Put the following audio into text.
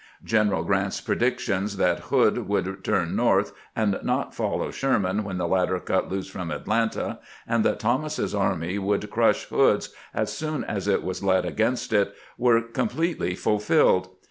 General Grant's predictions that HoOd would turn north, and not follow Sherman when the latter cut loose from Atlanta, and that Thomas's army would crush Hood's as soon as it was led against it, were completely fulfilled.